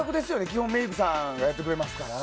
基本メイクさんがやってくれるから。